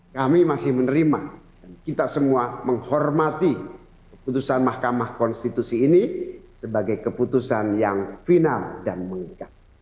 kami masih menerima dan kita semua menghormati putusan mahkamah konstitusi ini sebagai keputusan yang final dan mengikat